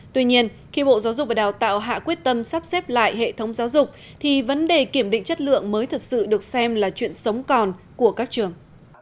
tuy nhiên khi bộ giáo dục và đào tạo hạ quyết tâm sắp xếp lại hệ thống giáo dục thì vấn đề kiểm định chất lượng mới thật sự được xem là chuyện sống còn của các trường